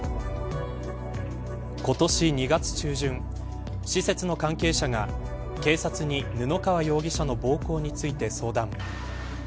今年２月中旬施設の関係者が警察に布川容疑者の暴行について相談。